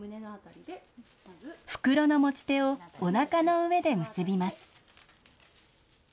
袋の持ち手をおなかの上で結びます。